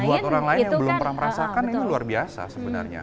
buat orang lain yang belum pernah merasakan ini luar biasa sebenarnya